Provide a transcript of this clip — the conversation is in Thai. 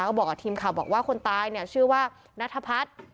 ก็บอกกับทีมข่าวบอกว่าคนตายเนี่ยชื่อว่านัทพัฒน์